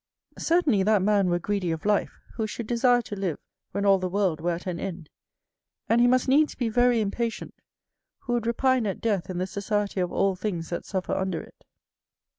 CERTAINLY that man were greedy of life, who should desire to live when all the world were at an end; and he must needs be very impatient, who would repine at death in the society of all things that suffer under it.